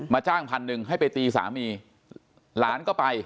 มาจ้าง๑๐๐๐บาทให้ไปตีสามีร้านก็ไป